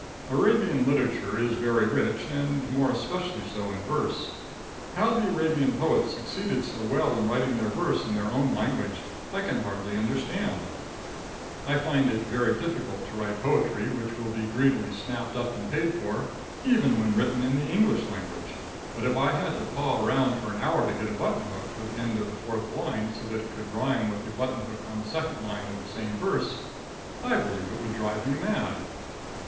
Arabian literature is very rich, and more especially so in verse. How the Arabian poets succeeded so well in writing their verse in their own language, I can hardly understand. I find it very difficult to write poetry which will be greedily snapped up and paid for, even when written in the English language, but if I had to paw around for an hour to get a button hook for the end of the fourth line, so that it would rhyme with the button hook in the second line of the same verse, I believe it would drive me mad.